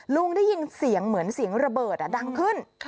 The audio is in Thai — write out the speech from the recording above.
ลุงได้ยินเสียงเหมือนเสียงระเบิดดังขึ้น